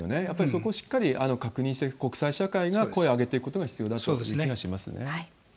やっぱりそこをしっかり確認して、国際社会が声を上げていくことが必要だという気がしますね。